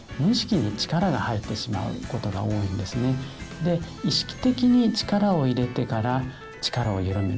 で意識的に力を入れてから力をゆるめる。